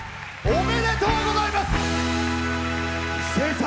おめでとうございます！